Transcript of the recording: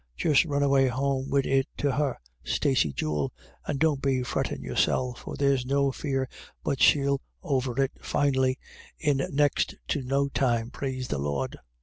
Just run away home wid it to her, Staeey, jewel, and don't be frettin' yourself, for there's no fear but she'll over it finely in next to no time, plase the Lord."